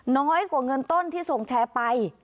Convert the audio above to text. น้อยกว่าเงินต้นที่ส่งแชร์ไป